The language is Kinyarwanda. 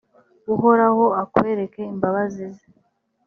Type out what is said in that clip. uhoraho akwereke imbabazi ze,